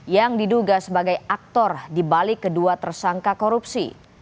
yang diduga sebagai aktor dibalik kedua tersangka korupsi